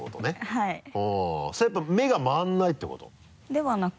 はぁそれはやっぱり目が回らないってこと？ではなく。